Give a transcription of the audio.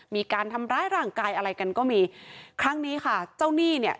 มีการทำร้ายร่างกายอะไรกันก็มีครั้งนี้ค่ะเจ้าหนี้เนี่ย